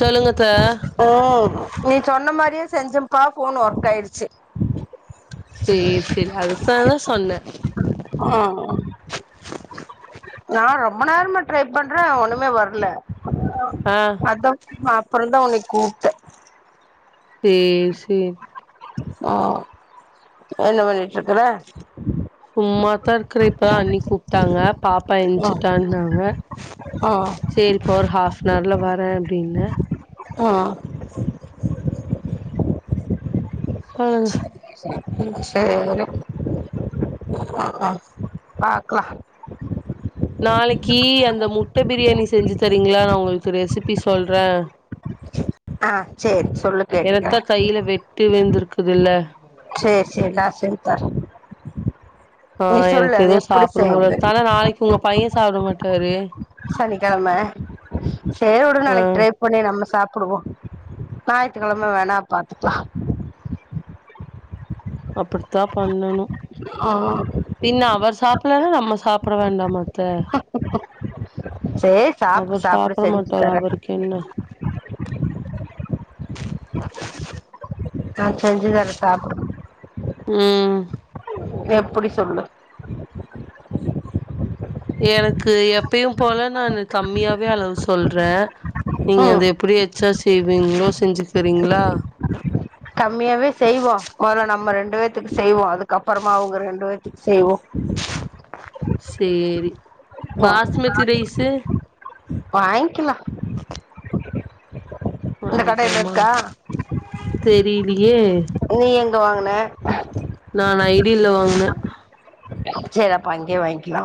சொல்லுங்கத் அ நீட் சொன்ன மாரியே செஞ்சப்பா ஃபோன் ஒர்க் ஆயிருச்சு சேர் செரி அதுக்காக தா சொன்ன ம் நா ரொம்ப நேரமா ட்ரை பண்ற ஒண்ணுமே வர்ல ஆ அத்தா அப்றோ தா உன்னை கூப்ட்ட சேர் சேர் ஓ என்ன பண்ணிட்ருக்குற சும்மாதா இருக்குறே இப்பதா அண்ணி கூப்ட்டாங்க பாப்பா ம் என்ச்சிட்டான்னாங்க சேரிப்ப ஒரு ஹாஃப்னார்ல வர அப்டின்ன ஆ சொல்லுங்க [inaudible] செரி ஆ ஆ பாக்லா நாளைக்கி அந்த முட்ட பிரியாணி செஞ்சு தரிங்களா நா ஒங்களுக்கு ரெசுபி சொல்ற ஆ செரி ச் சொல்லு கேட்டுக்றே எனத்தா கையில வெட்டு விழுந்திருக்குதுல்ல செரி செரி நா செஞ்ச் தரே [inaudible] ஆ, சொல்லு எனக்கு அது ஏதோ எப்டி சாப்ணு செய்யறது போலருத் ஆனா நாளைக்கு உங்க பைய சாப்ட மாட் சரி சனிகிழம செரி வுடு ஆ நாளைக் ட்ரை பண்ணி நம்ம சாப்ட் ப்புடுவோ ஞாயித்துகிழம வேணா பாத்துக்லா அப்டித்தா பண்ணணு ம் பின்ன அவர் சாப்லன்னா நம்ம சாப்ட வேண்டா த்த சேரி சாப்டு சாப்டு செஞ்சு மாட்டாரு தரே அவருக்கு என்ன ஆஹ் செஞ்சு தர சாப்டு உம்ம் எப்புடி சொல்லு எனக்கு எப்பயும் போல நானு கம்மியாவே அளவு சொல்ற நீங்க அத ம் எப்டி எச்சா செய்வீங்ளோ செஞ்சுக்கறீங்களா கம்மியாவே செய்வோ மொதல்ல நம்ம ரெண்டு பேத்துக்கு செய்வோ அதுகு அப்பறமா அவங்க ரெண்டு பேத்துக்கு செய்வோ சேரி பாசுமதிதிரைசு வாங்கில்லா இந்த கடையில வாங்கிலாமா இருக்கா செரி ஏய் ங்க வாங்குன ந நான் இடில வாங்குன சேரி அப்ப அங்கே வாங்கிலா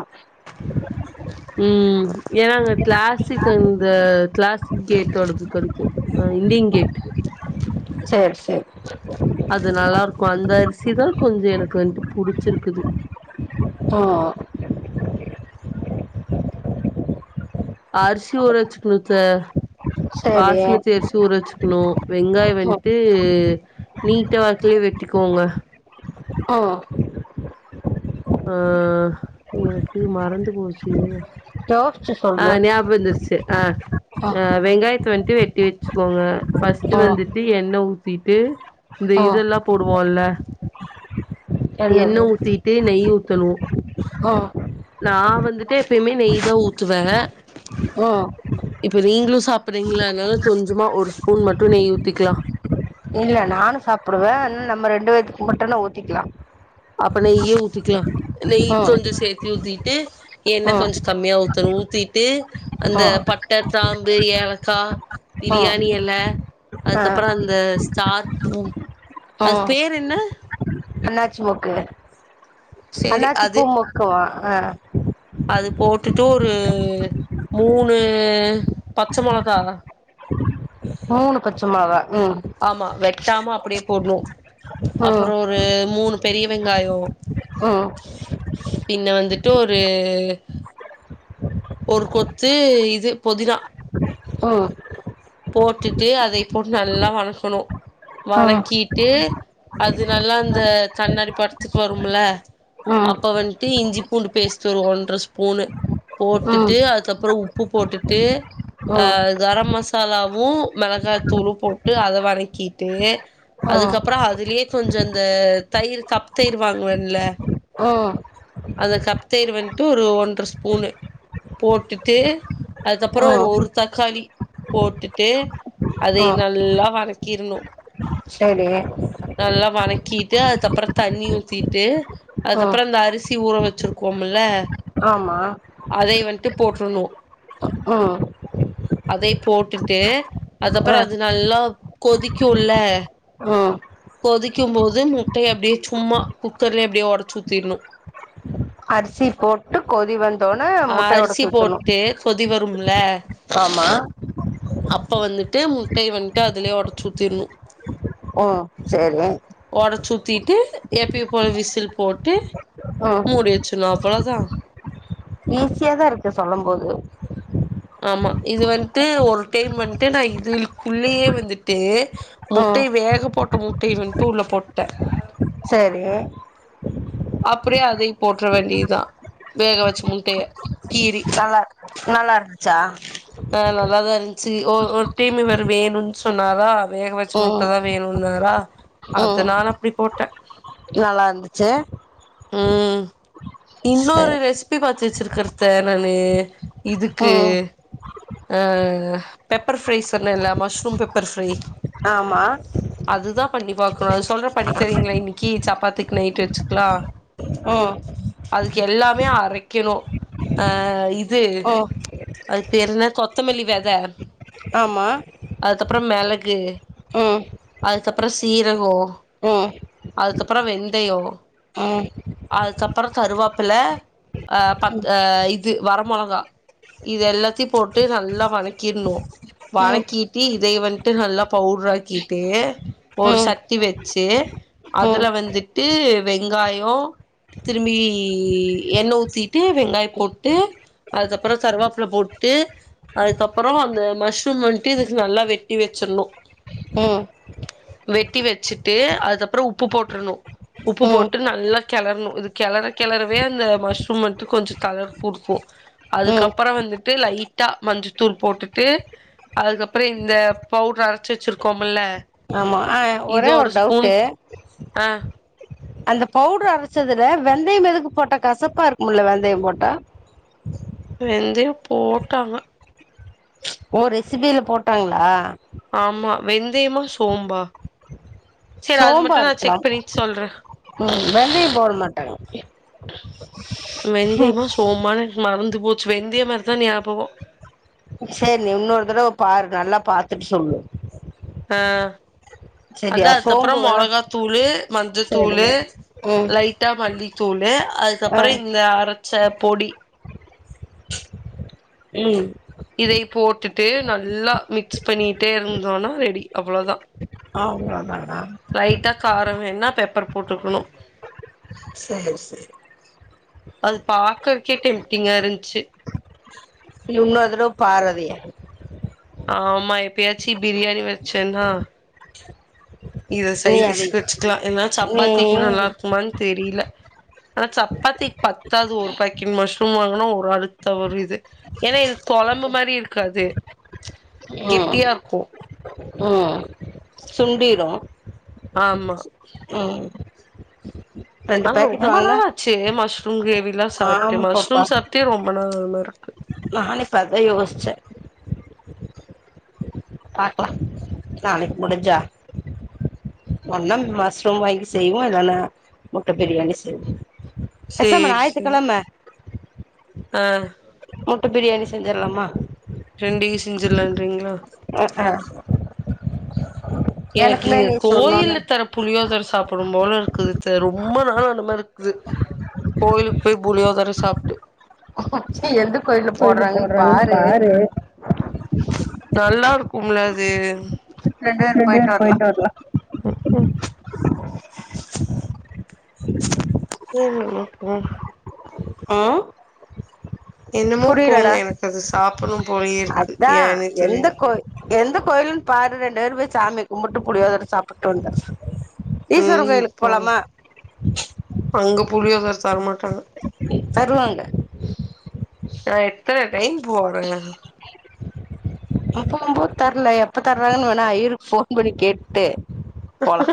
ம்ம்ம் ஏனா அங்க கிளாசிக்குந்த க்ளாசிக் கேட்டோடது கொதிக்கு இண்டியன் கேட் சேரி சேரி அது நல்லாருக்கும் அந்த அருசிதான் கொஞ்ச எனக்கு வந்து புடிச்சிருக்குது ஆ அருசி ஊர வச்சுக்கணுத்த சேரி பாஸ்மதிஅரிசி ஊர வச்சுக்ணோ வெங்காயோ ம் வந்டு நீட்ட வாக்லயே வெட்டிகோங்க ஆ ஆ எனக்கு மறந்து போச்சு இரு யோசிச்சு ஆ சொல்லு ஞாப வந்துர்ச்சு ஆ ம் ஆ வெங்காயத்த வந்டு வெ தேச்க்கோங்க ஃபர்ஸ்ட் ம் வந்துட்டு எண்ணெ ஊத் திட்டு இந்த ம் இதெல்லா போடுவோல எண்ணெ என்னது ஊத்திட்டு நெய் ஊத்தனு ஆ நா வந்துட்டு எப்பயுமே நெய் தா ஊத்துவே ம் இப்ப நீங்ளு சாப் ப்றீங்ளா அதனால கொஞ்சமா ஒரு ஸ்பூன் மட்டோ நெய் ஊத்திக்லா இல்ல நானு சாப்புடுவே உம் நம்ம ரெண்டு வேத்துக்கு மட்டோனா ஊத்திக்லா அப்ப நெய்யே ஊத்திக்கலா நெய் ம் கொஞ்கோ சேத்தி ஊத்திட்டு எண்ணெ கொஞ்கோ கம்மியா ஊத்தணோ ஊத்திட்டு அந்த பட்ட திராம்பு ஏல கா பிரியாணி எல ஆ அதுக்கப்பறோ அந்த ஸ்டார் பூ அது பேர் என்ன அண்ணாச்சி மொக்கு சேரி அண்ணாச்சி அது பூ மொக்கவா ஆ அது போட்டுட்டு ஒரு மூணு பச்ச மொளகா மூணு பச்ச மொளகா ம் ஆமா வெட்டாம அப் அப்டியே போட்ணோ ம் அப்பறோ ஒரு மூணு பெரிய வெங்காயோ ஆ டு ஒரு ஒரு கொத்து இது பொதினா ஆ போட்டுட்டு அத இப் போட்டு நல்லா வளக்கணோ ம் ம் ம் வதக்கீட்டு அது இது நல்லா அந்த கண்ணாடி பட்த்துக்கு வரும்ல அப்ப வந்ட்டு இஞ்சி பூண்டு பேஸ்ட்டு ஒரு ஒன்ற ஸ்பூனு போட்டுட்டு அதுக்கப்பறம் உப்பு போட்டுட்டு அஹ் கர மாசலா மசாலாவும் மிளகாய்த்தூளும் போட்டு அத வதக்கிட்டு அதுக்கப்பறம் அதுலயே கொஞ்சம் இந்த தயிர் கப் தயிர் வாங்குவேன்லா ம் அந்த கப் தயிர் வந்துட்டு ஒரு ஒன்ற ஸ்பூனுு போட்டுட்டு அதுக்கப்பற ஒரு ம் ஒரு தக்காளி போட்டுட்டு ம் அதைய ம் நல்லா வணக் கிர்னும் சரி கீட்டு அதுக்கப்பறம் தண்ணி ஊத்திட்டு. ம் அதுக்கப்பறம் இந்த அருஸ் த்தி ஊற வச்சுருக்கோம்முல்ல ஆமா அதைய வந்ட்டு போட்டு ட்டுணூ ஆ அதே போட்டுட்டு அதுக்கப்பறோ அது நல்லா வ் கொதிக்குல்ல உம் கொதிக்கும் போது முட்டையை அப்டியே சும்மா குக்கர்லே அப்டியே ஒடச்சு ஊத்திட்ணும். அரிசி போட்டு கொதி வந் ஆ அரிசி போட்டு கொதி வந் ரூம்ல ஆமா அப்ப வந்துட்டு முட்டையை வந்ட்டு அதுலே ஒடச்சு ஊத்திட்ணும் உம் சரி ட்டு எப்பியு போல விசில் போட்டு ம் மூடி வெச்சுர்னுப் வ்வளதா ஈஸியாதா இருக்கு சொல்லும் போது ஆமா இது வந்ட்டு ஒரு டைம் வந்ட்டு நா இதுக்குள்ளலயே வந்துட்டு ம் முட்டைய வேக போட்ட முட் முட்டைய வந்ட்டு உள்ள போட்ட சரி அப்படியே அதை போட்ற வேண்டித் தா, வேக வச்ச முட்டைய கீறி நல்லாருக்கு நல்லா இருந்துச்சா ஆ நல்லாதா இருந்ச்சி ஒர் ஒரு டைம் இவரு வேணுன் சொன்னாரா வேக வச்சு ம் முட்டதா வேணுன்னாரா ம் அத்தனால அப்டி போட்ட நல்லா இருந்துச்சு ம் இன்னொரு சரி ரெசிபி பாத் சேச்சிருக்குற தேனலு இதுக்கு ம் ஆ பெப்பர் ஃப்ரை சொல்லிர்லா மஷ்ரூம் பெப்பர் ஃப்ரை ஆமா கண்டிப்பாக அ சொல்ற பண்ணி தரிங்களா இன்னிக்கி சப்பாத் க்கு நைட்டு வெச்சுக்லா அ எல்லாமே அரைக்கணு அ இ ஓ என்ன கொத்தமல்லி வெத ஆமா அப்ற மெளகு அ அதுக்கப்பற சீரகொ ம் அதுக்கப்பற வெந்தயோ ம் அதுக்கப்பற கருவாப்பில அ பத் அ இது வர மொளகா இது எல்லாத்தையு போட்டு நல்லா வதக்கிர்ணு ம் ம் வதக்கிட்டு இதய வந்துட்டு நல்லா பவுடராக்கிட்டு ஒரு சட்டி வச்சு ம் ம் அதுல வந்துட்டு வெங்காயோ திரும்பி எண்ணெ ஊத்திட்டு வெங்காய போட்டு அதுக்கப்பற கருவாப்பில போட்டு அதுக்கப்பற அந்த மஷ்ரூம் வந்ட்டு இதுக்கு நல்லா வெட்டி வெச்சர்ணு வெட்டி வெச்சுட்டு அதுக்கப்ற உப்பு போட்ரணு உப்பு ம் போட்டு நல்லா கெளறணு இது கெளற கெளறவே அந்த மஷ்ரூம் வந்ட்டு கொஞ்ச கலர் குடுக்கு ம் அதுக்கப்பற வந்து ட்டு லைட்டா மஞ்சத்தூள் போட்டுட்டு அதுக்கப்பற இந்த பவுடர அரைச்சு வச்சிருக்கோம்ல்ல ஆமா ஆ ஒரே ஒரு டவுட்டு ஆ அந்த பவுடர் அரைச்சதுல வெந்தயம் எதுக்கு போட்ட கசப்பா இருக்குமுல வெந்தயம் போட்டா வெந்தயம் போட்டாங்க ஓ ரெசிபில போட்டாங்ளா ஆமா வெந்தயமா சோம்பா செரி அது சோம்பா மட்டு நா இருக்கலா செக் பண்ணிட்டு சொல்றே ம் வெந்தயம் போட மாட்டாங்க வெந்தயமா சோம்பானு மறந்து போச்சு வெந்திய மாரிதா ஞாபகோ சேரி நீ இன்னொரு தடவ பாரு நல்லா பாத்துட்டு சொல்லு அ சரியா அதா அதுக்கப்றோ சோம்பு வேணா மொளகா தூளு சரிங்க மஞ்சத்தூளு ம் லைட்டா மல்லி தூளு ஆ அதுக்கப்றோ இந்த அரச்ச பொடி ம் இதை போட்டுட்டு நல்லா மிக்ஸ் பண்ணிட்டே இருந்தோனா ரெடி அவ்ளோதா அவ்ளதானா வேணுன்னா பெப்பர் போட்டுக்கணு சேரி சேரி அது பாக்கறக்கே டெம்டிங்கா இருந்ச்சு இன்னோர் தடவ பார் அதைய ஆமா எப்பயாச்சு பிரியாணி வெச்சேன்னா இத நீ சைடிஷ் அதை வெச்சுக்லா ஏன்னா நீ சப்பாத்திக்கு நல்லா இருக்குமான் தெரியல ஆனா சப்பாத்திக்கு பத்தாது ஒரு பாக்கெட் மஷ்ரூம் வாங்குணா ஒரு ஆளுக்கு தா வரு இது ஏன்னா இது கொழம்பு மாரி இருக்காது கெட்டியா இருக்கு ஆ சுண்டீரு ஆமா ம் ரெண்டு ஆ பேக்கெட் ரொம்ப வாங்குன நாள்ளாச்சு மஷ் துங் கிரேவி ல்லா சாப்ட்டே ஆமா மஷ்ரூம் சாப்டே ரொம்ப நாள் [unintelligible] இருக்கு நானே இப்ப அதா யோசிச்ச பாக்லா நாளைக்கு முடிஞ்சா ஒன்னா மஸ்ரூம் வாங்கி செய்வோ இல்லன்னா முட்ட பிரியாணி செய்வோ பெசாமா சேரி சேரி ஞாயித்துக்கெழம ஆ முட்ட பிரியாணி செஞ்சர்லாமா [unintelligible] செஞ்சிர்லான்ரிங்ளா ம் ம் எனக்கு இங்க சொன்னோன கோயில்ல தர புளியோதர சாப் போனும் போல இருக்குது அத்த ரொம்ப நாளா அந்த மாரி இருக்குது கோயிலுக்கு போய் புளியோதர சாப்ட்டு பஸ்ட்டு எந்த கோயில்ல போடுறாங்கன்னு பாரு நல்லா இருக்கும்ல அது ரெண்டு பேர் ரெண்டுவேறு போயிட்டு வரலா போய்ட்டு வர்லா ம் ம் [unintelligible] ஆ என்னமோ போங்க எனக்கு அது சாப்புட்னு போலயே இருக்கு அதா ஏன்னே எந்த தெரியல கோய் எந்த கோயிலுன் பாரு ரெண் டேரு போயி சாமிய கும்புட்டு புளியோதர சாப்புட்டு வந்தர்ளா ஈஸ்வரங் ம் கோயிலுக் போங்க போலாமா அங்க புளியோதர தரமாட்டாங்க தருவாங்க நா எத்தன டைம் போறே அப்போ போம்போது தர்ல எப்ப தர்றாங்கனு வேணா ஐயிர்க் ஃபோன் பண்ணி கேட்டு போலா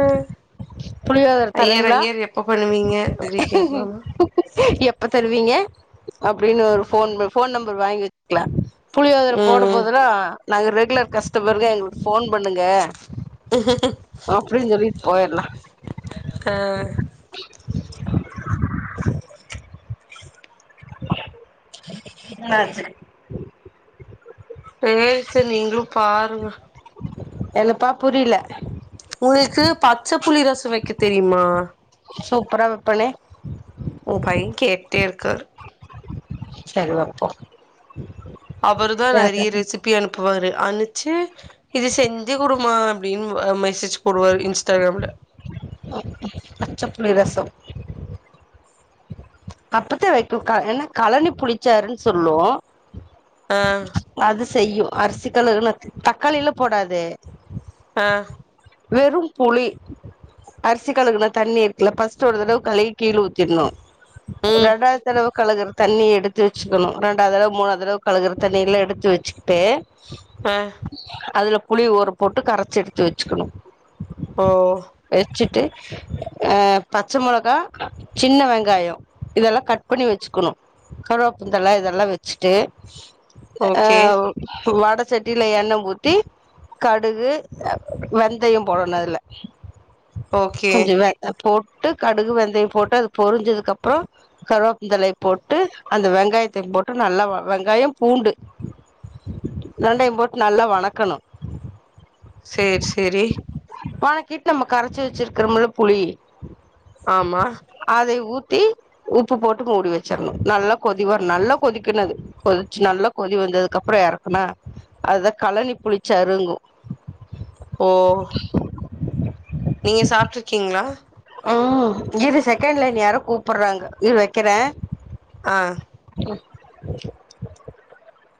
ஆ புளியோதர தரீங்ளா அப்டி கேக்கலாமா எப்ப தருவீங்க அப்டின்னு ஒரு ஃபோன் ஃபோன் நம்பர் வாங்கி வெச்சிக்கலா புளியோதர போடு ம் போதுல்லா நாங்க ரெகுலர் கஷ்டமர்க எங்ளுக் போன் பண்ணுங்க அப்டின் சொல்லிட்டு போயர்லா கா அ செரி சேரி சேரி நீங்ளு பாருங்க. எழுப்பா புரில உங்ளுக்கு பச்ச புளி ரசொ வக்க தெரியுமா. சூப்ரா வப்பனே. உங்க பையே கேட்டேருக்காரு. செரி வப்போ. அவரு தா நெறையா ரெசிபி அனுப்புவாரு அனுப் ச்சு இது செஞ்சு குடுமா அப்டிம்ப மெசேஜ் போடுவாரு இன்ஸ்டாகிராம்ல பச்சப்புளி ரசோ அப்பத்தா வக்கு என்ன களனி புளிச்சாருன்னு சொல்லுவோ. ஆ அது செய்யு அரிசி கலர்ன்னு தக்காளில்லா போடாது. ஆ வெறும் புளி அரிசி கழுகுன்னா தண்ணி இருக்குல ஃபர்ஸ்ட்டு ஒரு தடவ கழுவி கீழ ஊத்திர்ணு. ம் ரெண்டாது தடவ கழக ரு தண்ணி எடுத்து வச்சுக்கணு ரெண்டாவதடவ மூணா தடவ கழுகுற தண்ணியெல்லா எடுத்து வச்சுக்கிட்டு அ அதுல புளி ஊர போட்டு கரச்செடுத்து வச் ச்சுக்கணு ஓ அ பச்ச மொளகா சின்ன வெங்காயோ இதெல்லா கட் பண்ணி வச்சுக்கணு கருவப்புந்தல இதெல்லா வெச்சுட்டு அ ஓகே வடத் சட்டியில எண்ண ஊத்தி கடுகு வெந்தயோ போடுனு அதுல ஓகே கொஞ்ச வேகப் போட் விட்டு கடுகு வெந்தய போட்டு அது பொரிஞ்சதுக்கு அப்றோ கருவப் ந்தலைய போட்டு அந்த வெங் வெங்காயத்த போட்டு நல்லா வெங்காயம் பூண்டு ரெண்டையும் போட்டு நல்லா வணக்கணு சேரி சேரி வணக்கிட்டு நம்ம கரைச்சு வச்சுருக்குறம்ல புளி ஆமா அதை ஊத்தி உப்பு போட்டு மூடி வச்சர்ணு நல்லா கொதிவர நல்லா கொதிக்கனு அது கொதிச்சு நல்லா கொதி வந்ததுக்கு அப்றோ எறக்குனா அதுதா களனி புளிச்சாருங்கு ஓ நீங்க சாப்டுருக்கீங்களா ம் இரு செகண்ட் லயன் யாரோ கூப்டுறாங்க இரு வைக்கேறே ஆ ம்